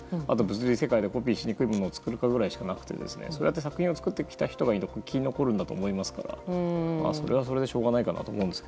あと、コピーしにくいものを作るしかなくてそうやって作品を作る人が生き残るんだと思いますからそれはそれでしょうがないかなと思います。